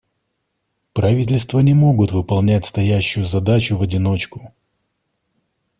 Правительства не могут выполнять стоящую задачу в одиночку.